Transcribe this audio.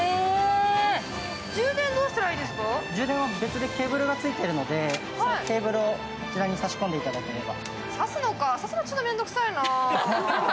充電は別でケーブルがついているのでそのケーブルをこちらに差し込んでいただければ。